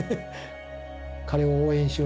彼を応援しようとかね